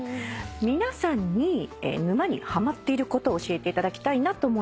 皆さんに沼にハマっていることを教えていただきたいなと思います。